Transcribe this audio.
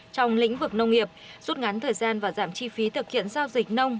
trong lĩnh vực nông nghiệp rút ngắn thời gian và giảm chi phí thực hiện giao dịch nông